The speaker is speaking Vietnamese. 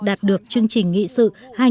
đạt được chương trình nghị sự hai nghìn một mươi